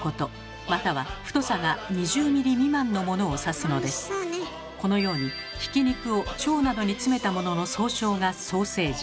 つまりこのようにひき肉を腸などに詰めたものの総称がソーセージ。